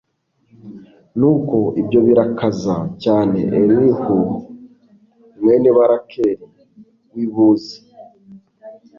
nuko, ibyo birakaza cyane elihu mwene barakeli w'i buzi